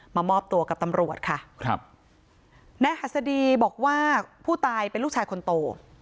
มามอบตัวกับตำรวจค่ะครับนายหัสดีบอกว่าผู้ตายเป็นลูกชายคนโต